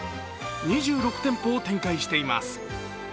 ２６店舗を展開しています。